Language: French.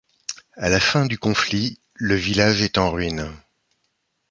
À la fin du conflit, le village est en ruines.